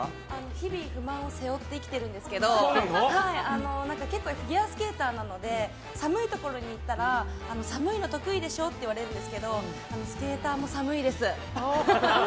日々不満を背負って生きてるんですけどフィギュアスケーターなので寒いところに行ったら寒いの得意でしょって言われるんですけどスケーターも寒いです。